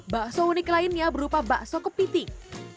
bakso unik lainnya berupa bakso kepiting